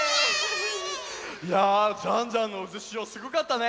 いやジャンジャンのうずしおすごかったね！